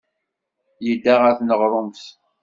Yedda ɣer tneɣrumt.